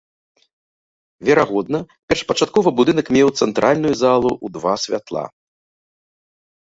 Верагодна, першапачаткова будынак меў цэнтральную залу ў два святла.